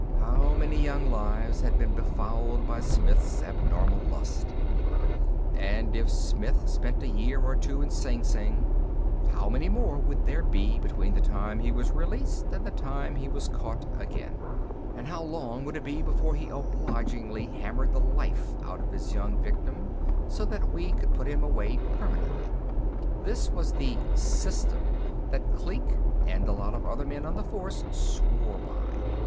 How many young lives had been befouled by Smith's abnormal lust?_ And if Smith spent a year or two in Sing Sing, how many more would there be between the time he was released and the time he was caught again? And how long would it be before he obligingly hammered the life out of his young victim so that we could put him away permanently? That was the "system" that Kleek and a lot of other men on the Force swore by.